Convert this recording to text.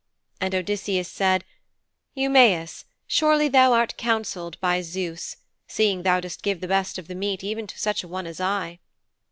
And Odysseus said, 'Eumæus, surely thou art counselled by Zeus, seeing thou dost give the best of the meat even to such a one as I.'